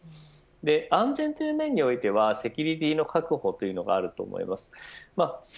安全という面においてはセキュリティーの確保というのがあると思います。